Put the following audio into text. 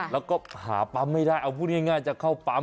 แล้วก็หาปั๊มไม่ได้เอาพูดง่ายจะเข้าปั๊ม